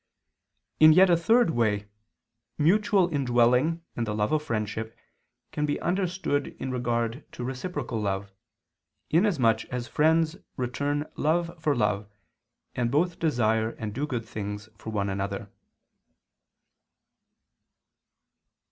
In yet a third way, mutual indwelling in the love of friendship can be understood in regard to reciprocal love: inasmuch as friends return love for love, and both desire and do good things for one another.